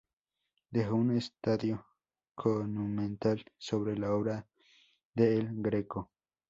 Dejó un estudio monumental sobre la obra de El Greco.